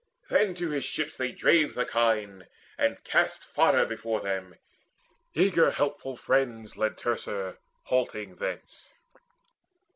Then to his ships they drave the kine, and cast Fodder before them. Eager helpful friends Led Teucer halting thence.